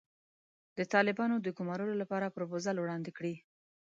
د طالبانو د ګومارلو لپاره پروفوزل وړاندې کړي.